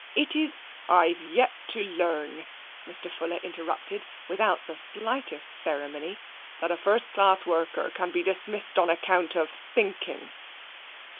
It is " t( I've yet to learn," Mr. Fuller interrupted, without the slightest ceremony, " that a first class worker can be dismissed on account of thinking."